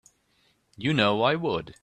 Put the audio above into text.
You know I would.